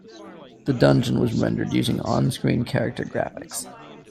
The dungeon was rendered using on-screen character graphics.